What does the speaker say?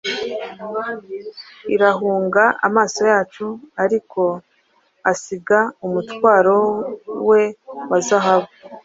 irahunga amaso yacu; ariko asiga umutwaro we wa zahabu.